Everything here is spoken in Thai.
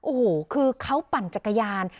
โอ้โหคือเขาปั่นจักรยาน